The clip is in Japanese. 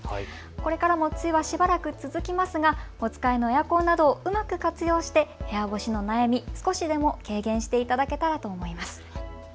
これからも梅雨はしばらく続きますが、お使いのエアコンなどをうまく活用して部屋干しの悩み、少しでも軽減していただけるならと思います。